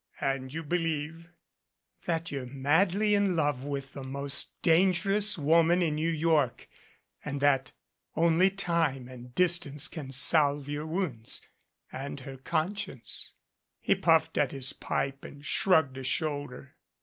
"And you believe " "That you're madly in love with the most dangerous woman in New York, and that only time and distance can salve your wounds and her conscience." He puffed at his pipe and shrugged a shoulder.